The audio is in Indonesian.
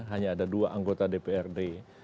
hanya ada dua anggota dprd